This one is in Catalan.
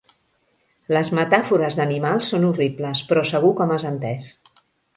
Les metàfores d'animals són horribles, però segur que m'has entès.